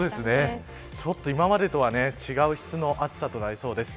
ちょっと今までとは違う質の暑さとなりそうです。